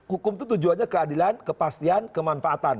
hukum itu tujuannya keadilan kepastian kemanfaatan